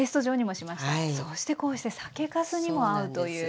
そしてこうして酒かすにも合うという。